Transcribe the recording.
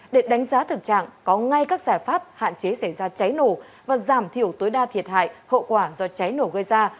để đánh giá thực trạng có ngay các giải pháp hạn chế xảy ra cháy nổ và giảm thiểu tối đa thiệt hại hậu quả do cháy nổ gây ra